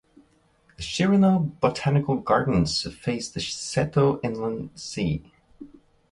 The Shiranoe botanical gardens face the Seto Inland Sea.